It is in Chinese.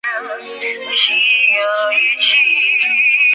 达达主义和超现实主义也能走进电影院。